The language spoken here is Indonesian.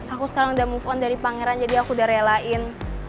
aku sekarang udah move on dari pangeran jadi aku udah relain